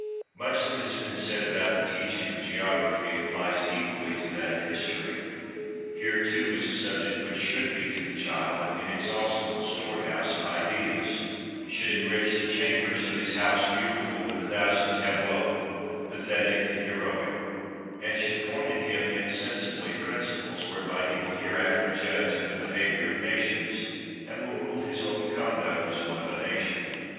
Much that has been said about the teaching of geography applies equally to that of history. Here, too, is a subject which should be to the child an inexhaustible storehouse of ideas, should enrich the chambers of his House Beautiful with a thousand tableaux, pathetic and heroic, and should form in him, insensibly, principles whereby he will hereafter judge of the behaviour of nations, and will rule his own conduct as one of a nation.